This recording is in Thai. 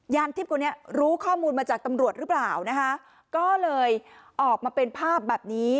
ทิพย์คนนี้รู้ข้อมูลมาจากตำรวจหรือเปล่านะคะก็เลยออกมาเป็นภาพแบบนี้